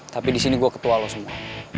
tapi di sini gue ketua lo semua